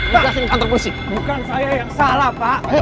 bukan saya yang salah pak